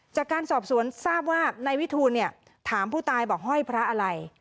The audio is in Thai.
จากการสอบสวนทราบว่านายวิทูลเนี่ยถามผู้ตายบอกห้อยพระอะไร